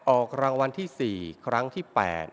ออกรางวัลที่๔ครั้งที่๘